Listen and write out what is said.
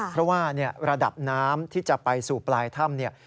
เพราะว่าระดับน้ำที่จะไปสู่ปลายถ้ำเนี่ย